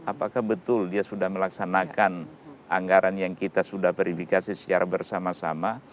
apakah betul dia sudah melaksanakan anggaran yang kita sudah verifikasi secara bersama sama